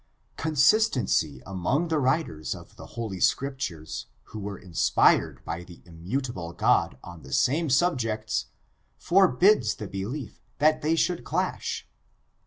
Consistency among the writers of the Holy Scriptures, who were inspired by the immutable God on the same subjects, forbids the Delief that they should clash.